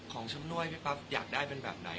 ของช่ำ่่วยพี่ฟัฟอยากได้เป็นแบบไหน